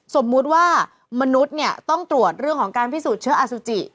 สมมุติว่ามนุษย์เนี่ยต้องตรวจเรื่องของการพิสูจนเชื้ออสุจิ